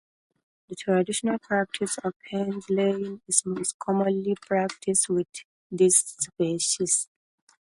The traditional practice of hedge laying is most commonly practised with this species.